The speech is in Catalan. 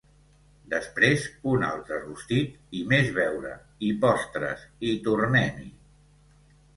Després un altre rostit, i més beure, i postres, i tornem-hi